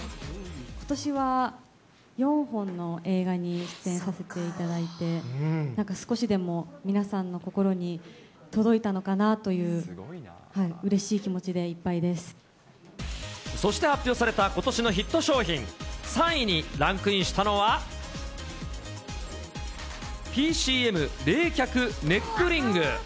ことしは４本の映画に出演させていただいて、なんか少しでも皆さんの心に届いたのかなという、うれしい気持ちそして発表されたことしのヒット商品、３位にランクインしたのは、ＰＣＭ冷却ネックリング。